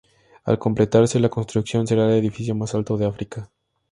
Al completarse la construcción, será el edificio más alto de África.